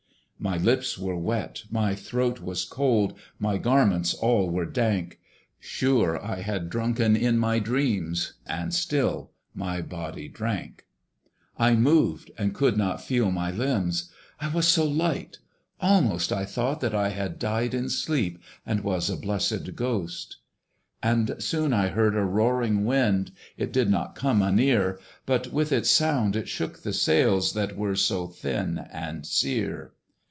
My lips were wet, my throat was cold, My garments all were dank; Sure I had drunken in my dreams, And still my body drank. I moved, and could not feel my limbs: I was so light almost I thought that I had died in sleep, And was a blessed ghost. And soon I heard a roaring wind: It did not come anear; But with its sound it shook the sails, That were so thin and sere.